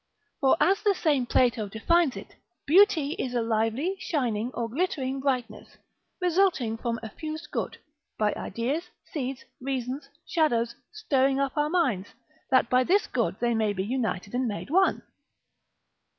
For as the same Plato defines it, Beauty is a lively, shining or glittering brightness, resulting from effused good, by ideas, seeds, reasons, shadows, stirring up our minds, that by this good they may be united and made one.